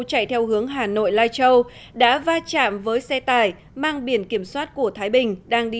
chạy theo hướng hà nội lai châu đã va chạm với xe tải mang biển kiểm soát của thái bình đang đi